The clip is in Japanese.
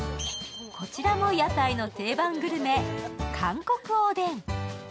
こちらも屋台の定番グルメ韓国おでん。